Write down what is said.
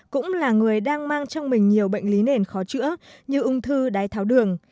cũng là người đang mang trong mình nhiều bệnh lý nền khó chữa như ung thư đái tháo đường